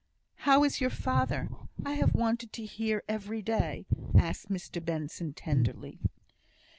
"How is your father? I have wanted to hear every day," asked Mr Benson, tenderly.